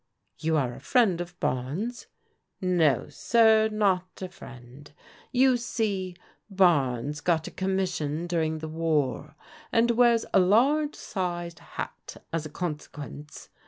" You are a friend of Barnes ?"" No, sir, not a friend. You see, Barnes got a com mission during the war, and wears a large sized hat as a consequence.